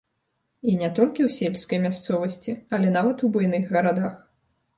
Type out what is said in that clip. І не толькі ў сельскай мясцовасці, але нават у буйных гарадах.